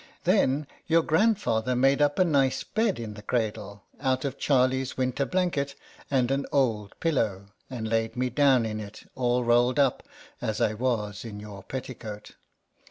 Then your grandfather made up a nice bed in the cradle, out of Charlie's winter blanket and an old pillow, and laid me down in it, all rolled up as I was in your petticoat.